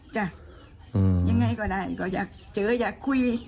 จ้ะยังไงก็ได้ก็อยากเจออยากคุย